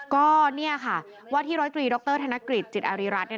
ก็นี่ค่ะว่าที่๑๐๓ดรธนกฤษจิตอาริรัติ